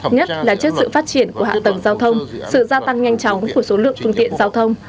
nhất là trước sự phát triển của hạ tầng giao thông sự gia tăng nhanh chóng của số lượng phương tiện giao thông